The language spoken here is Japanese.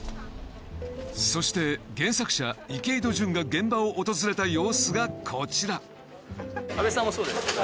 そして原作者池井戸潤が現場を訪れた様子がこちら。